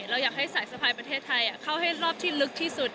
เราอยากให้สายสะพายประเทศไทยเข้าให้รอบที่ลึกที่สุด